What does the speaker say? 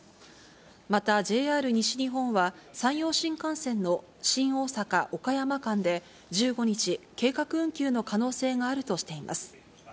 またＪＲ西日本は、山陽新幹線の新大阪・岡山間で１５日、計画運休の可能性があるとしています。